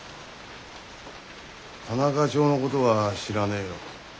田中町のごどは知らねえよ。